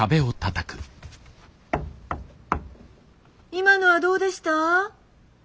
今のはどうでした？